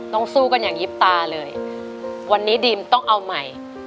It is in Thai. สู้กันอย่างยิบตาเลยวันนี้ดิมต้องเอาใหม่